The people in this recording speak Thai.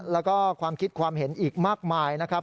แล้วก็ความคิดความเห็นอีกมากมายนะครับ